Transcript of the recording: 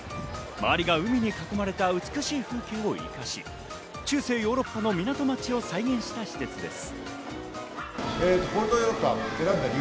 周りが海に囲まれた美しい風景を生かし、中世ヨーロッパの港町を再現した施設です。